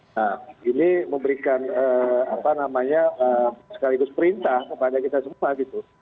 nah ini memberikan apa namanya sekaligus perintah kepada kita semua gitu